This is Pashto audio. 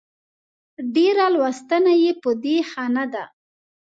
ډېره لوستنه يې په دې ښه نه ده